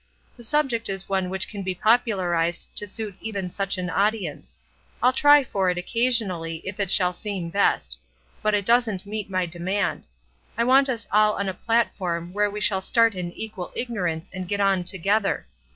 The subject is one which can be popularized to suit even such an audience. I'll try for it occasionally if it shall seem best: but it doesn't meet my demand. I want us all on a platform where we shall start in equal ignorance and get on together.